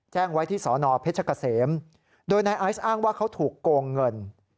แจ้งไว้ที่สอนอเพชรเกษมโดยนายไอซ์อ้างว่าเขาถูกโกงเงิน